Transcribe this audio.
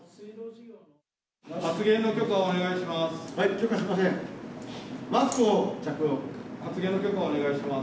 発言の許可をお願いします。